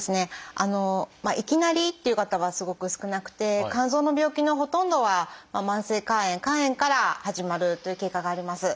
まあいきなりっていう方はすごく少なくて肝臓の病気のほとんどは慢性肝炎肝炎から始まるという経過があります。